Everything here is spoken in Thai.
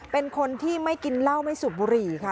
เป็นคนที่ไม่กินเหล้าไม่สูบบุหรี่ค่ะ